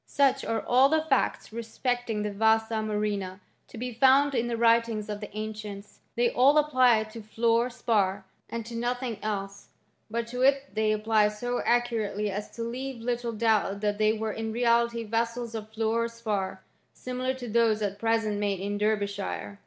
Such are all the facts respecting the vasa murrhinft to be found in the writings of the ancients ; they all apply to fluor spar, and to nothing else; but to it they apply so accurately as to leave little doubt that they were in reality vessels of fluor spar, similar to those at present made in Derbyshire.